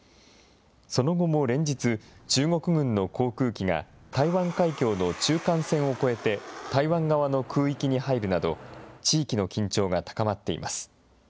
その後も連日、中国軍の航空機が、台湾海峡の中間線を越えて、台湾側の空域に入るなど、地域の緊張が高まっています。